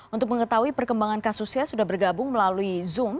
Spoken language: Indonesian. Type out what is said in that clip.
untuk mengetahui perkembangan kasusnya sudah bergabung melalui zoom